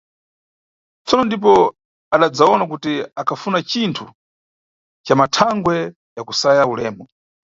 Tsono ndipo adadzawona kuti akhafuna cinthu ca mathangwe ya kusaya ulemu.